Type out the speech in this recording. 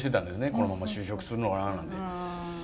このまま就職するのかななんて。